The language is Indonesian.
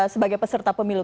sebagai peserta pemilu